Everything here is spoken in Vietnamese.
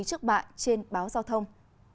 trước bạ trên báo giao thông